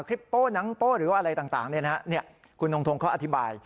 คลิปโปหนังโตหรือว่าอะไรต่างเนี่ยนะฮะเนี่ยคุณทงทงเขาอธิบาย